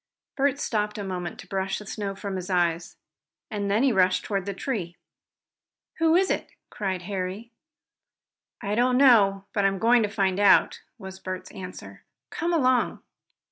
Bert stopped a moment to brush the snow from his eyes, and then he rushed toward the tree. "Who is it?" cried Harry. "I don't know but I'm going to find out," was Bert's answer. "Come along!"